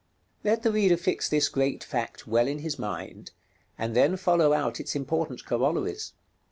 § LIII. Let the reader fix this great fact well in his mind, and then follow out its important corollaries.